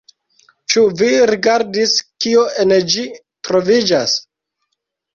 Ĉu vi rigardis, kio en ĝi troviĝas?